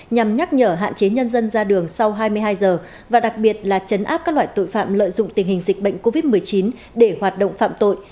nhằm nhắc nhở hạn chế nhân dân ra đường sau hai mươi hai giờ và đặc biệt là chấn áp các loại tội phạm lợi dụng tình hình dịch bệnh covid một mươi chín để hoạt động phạm tội